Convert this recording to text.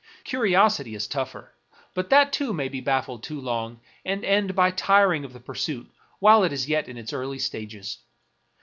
Curiosity is tougher ; but that too may be baffled too long, and end by tiring of the pursuit while it is yet in its early stages.